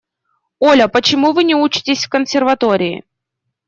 Оля, почему вы не учитесь в консерватории?